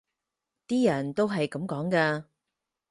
啲人都係噉講㗎